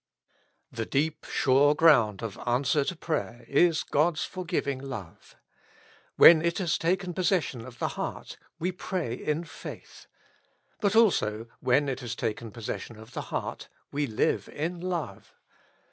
The deep sure ground of answer to prayer is God's forgiving love. When it has taken possession of the heart, we pray in faith. But also, when it has taken possession of the heart, we live in love.